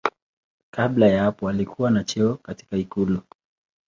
Kabla ya hapo alikuwa na cheo katika ikulu.